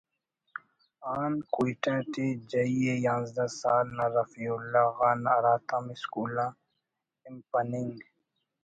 آن کوئٹہ ٹی جئی ءِ یانزدہ سال نا رفیع اللہ غان ہراتم اسکول آ ہنپننگ